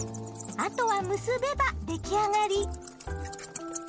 あとは結べば出来上がり。